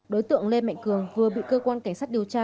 đối tượng lê mạnh cường vừa bị cơ quan cảnh sát điều tra